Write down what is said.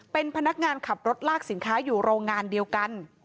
เป็นพนักงานขับรถลากสินค้าอยู่โรงงานเดียวกัน